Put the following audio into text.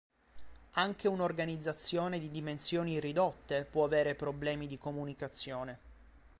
Anche un'organizzazione di dimensioni ridotte può avere problemi di comunicazione.